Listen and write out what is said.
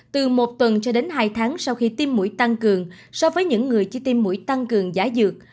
từ một tuần cho đến hai tháng sau khi tiêm mũi tăng cường so với những người chi tiêm mũi tăng cường giả dược